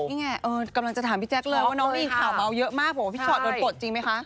นี่ไงกำลังจะถามพี่แจ๊กเลยว่าน้องมีข่าวเบาเยอะมากพี่ชอตโดนโกรธจริงไหมคะ